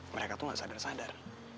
mereka tuh gak sadar sadar